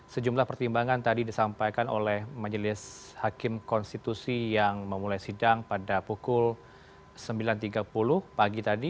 sejumlah pertimbangan tadi disampaikan oleh majelis hakim konstitusi yang memulai sidang pada pukul sembilan tiga puluh pagi tadi